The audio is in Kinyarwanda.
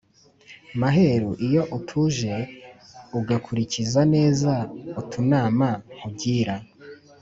Maheru iyo utuje Ugakulikiza neza Utunama nkugira!